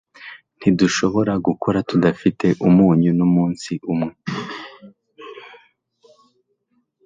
Ntidushobora gukora tudafite umunyu numunsi umwe.